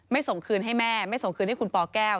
ส่งคืนให้แม่ไม่ส่งคืนให้คุณปแก้ว